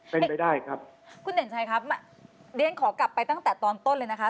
เป็นไปได้ครับคุณเด่นชัยครับเรียนขอกลับไปตั้งแต่ตอนต้นเลยนะคะ